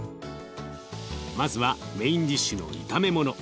まずはメインディッシュの炒め物。